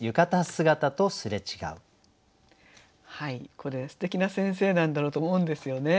これすてきな先生なんだろうと思うんですよね。